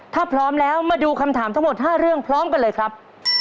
ถ้าพร้อมแล้วมาดูคำถามทั้งหมด๕เรื่องพร้อมกันเลยครับ